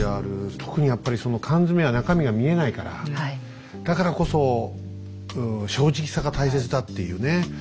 特にやっぱり缶詰は中身が見えないからだからこそ正直さが大切だっていうね。